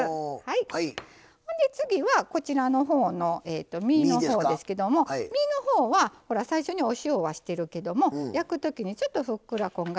ほんで次はこちらのほうの身のほうですけども身のほうはほら最初にお塩はしてるけども焼くときにちょっとふっくらこんがり焼けるように